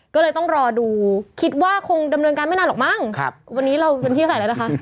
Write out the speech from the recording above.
ก็เลยต้องรอดูคิดว่าคงดำเนินการไม่นานหรอกมั้งวันนี้เราเป็นที่เท่าไหร่แล้วนะคะ